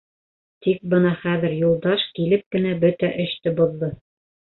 Тик бына хәҙер Юлдаш килеп кенә бөтә эште боҙҙо.